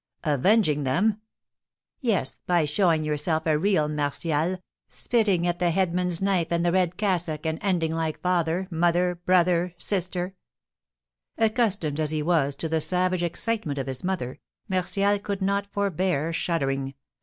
"Avenging them?" "Yes, by showing yourself a real Martial, spitting at the headsman's knife and the red cassock, and ending like father, mother, brother, sister " Accustomed as he was to the savage excitement of his mother, Martial could not forbear shuddering.